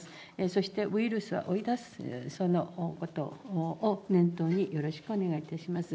そしてウイルスを追い出す、そのことを念頭によろしくお願いいたします。